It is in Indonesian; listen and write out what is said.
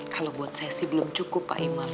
kalau buat saya sih belum cukup pak imam